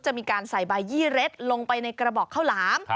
จะมีการใส่ใบยี่เร็ดลงไปในกระบอกข้าวหลาม